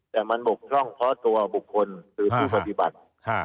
แต่มันบกพร่องเพราะตัวบุคคลหรือผู้ปฏิบัติ